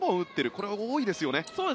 これは多いですよね。